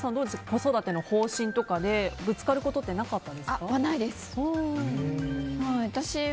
子育ての方針とかでぶつかることってなかったですか？